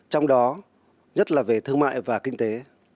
trong đó nhất là về thương mại và kinh tế